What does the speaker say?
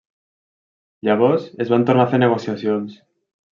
Llavors, es van tornar a fer negociacions.